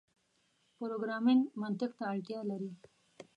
پروګرامنګ منطق ته اړتیا لري.